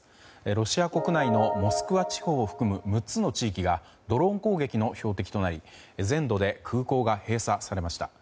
ロシア国内のモスクワ地方を含む６つの地域がドローン攻撃の標的となり全土で空港が閉鎖されました。